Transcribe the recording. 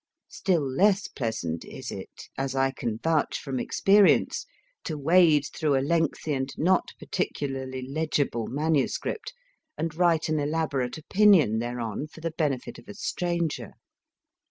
Still less pleasant is it, as I can vouch from experience, to wade through a lengthy and not particularly legible manuscript, and write an elaborate opinion thereon for the benefit of a stranger.